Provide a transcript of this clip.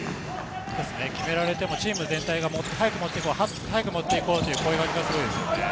決められてもチーム全体が早く持って来い、早く持って行こうという声かけがすごいですね。